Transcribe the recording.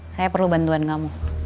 saya perlu bantuan kamu